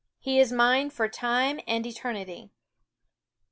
He is mine for time and eternity."